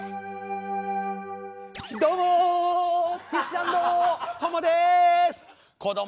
どうも！